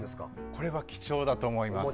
これは貴重だと思います。